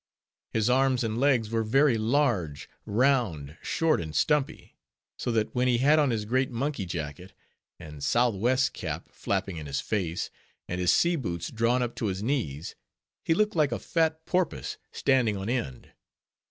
His arms and legs were very large, round, short, and stumpy; so that when he had on his great monkey jacket, and sou'west cap flapping in his face, and his sea boots drawn up to his knees, he looked like a fat porpoise, standing on end.